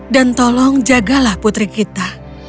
dan tolong jagalah putri kita